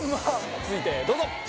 続いてどうぞ。